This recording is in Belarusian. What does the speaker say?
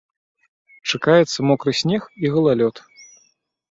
Чакаецца мокры снег і галалёд.